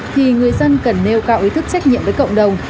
thì người dân cần nêu cao ý thức trách nhiệm với cộng đồng